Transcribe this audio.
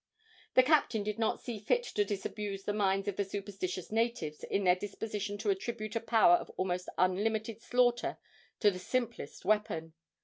The captain did not see fit to disabuse the minds of the superstitious natives in their disposition to attribute a power of almost unlimited slaughter to the simple weapon.